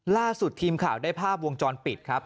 ล่าสุดทีมข่าวได้ภาพวงจรปิดครับ